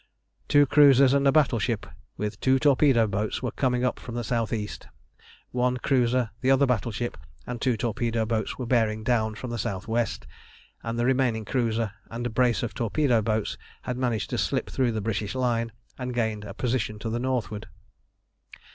Two cruisers and a battleship with two torpedo boats were coming up from the south east; one cruiser, the other battleship, and two torpedo boats were bearing down from the south west, and the remaining cruiser and brace of torpedo boats had managed to slip through the British line and gain a position to the northward.